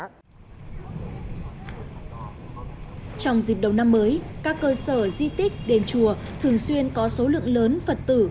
trong dịp đầu năm mới các cơ sở di tích đền chùa thường xuyên có số lượng lớn phật tử